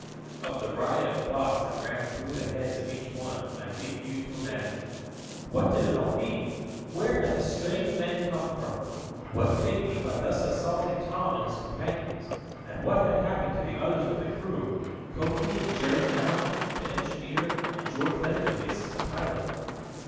Of the riot of thoughts that ran through the heads of each one, I leave you to imagine. What did it all mean? Where had the strange men come from? What did they mean by thus assaulting Tom and his companions? And what had happened to the others of the crew Koku, Jerry Mound, the engineer, and George Ventor, the assistant pilot?